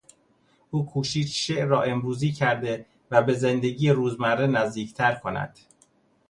او کوشید شعر را امروزی کرده و به زندگی روزمره نزدیک تر کند.